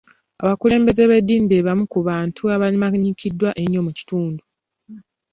Abakulembeze b'eddiini be bamu ku bantu abamanyikiddwa ennyo mu kitundu.